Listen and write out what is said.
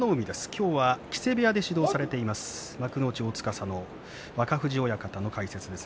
今日は木瀬部屋で指導されている幕内皇司の若藤親方の解説です。